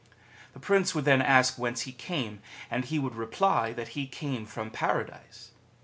The Prince would then ask whence he came, and he would reply that he came from Paradise